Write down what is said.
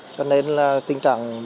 cho nên là tình trạng